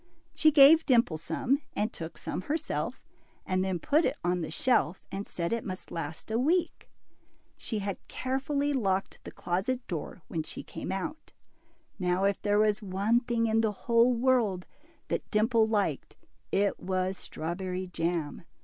She gave Dimple some, and took some herself, and then put it on the shelf, and said it must last a week. She had carefully locked the closet door when she came out. Now if there was one thing in the whole world that Dimple liked, it was strawberry jam.